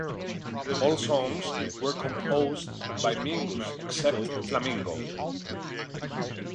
All songs were composed by Mingus except "Flamingo".